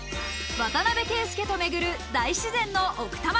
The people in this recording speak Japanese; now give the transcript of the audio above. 渡邊圭祐と巡る大自然の奥多摩。